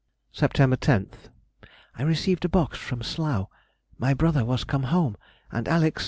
Sept. 10th.—I received a box from Slough. My brother was come home, and Alex.